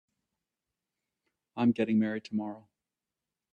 I'm getting married tomorrow.